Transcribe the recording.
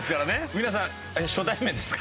皆さん初対面ですか？